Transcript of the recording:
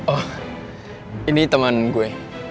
oh ini teman gue